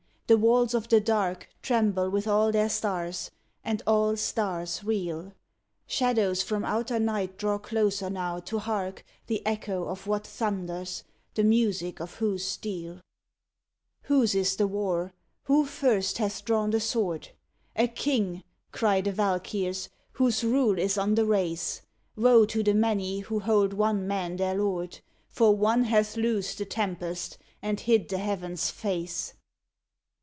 The walls of the Dark Tremble with all their stars, and all stars reel. Shadows from outer night draw closer now to hark The echo of what thunders, the music of whose steel? 117 ON THE GREAT WAR Whose is the war? Who first hath drawn the sword? "A king!" cry the Valkyrs, "whose rule is on the race! Woe to the many, who hold one man their lord ! For one hath loosed the tempest, and hid the heavens face!